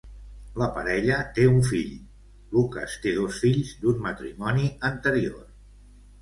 La parella té un fill; Lucas té dos fills d'un matrimoni anterior.